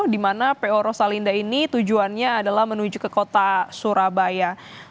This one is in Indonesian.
di mana po rosalinda ini tujuannya adalah menuju ke kota surabaya